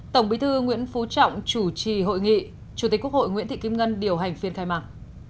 tổng bí thư nguyễn phú trọng chủ trì hội nghị chủ tịch quốc hội nguyễn thị kim ngân điều hành phiên khai mạc